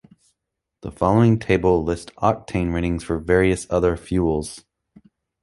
The following table lists octane ratings for various other fuels.